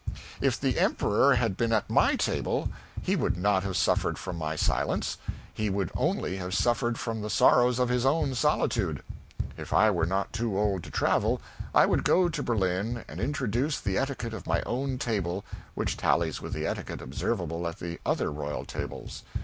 If the Emperor had been at my table, he would not have suffered from my silence, he would only have suffered from the sorrows of his own solitude. If I were not too old to travel, I would go to Berlin and introduce the etiquette of my own table, which tallies with the etiquette observable at other royal tables.